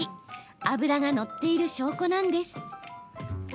脂が乗っている証拠なんです。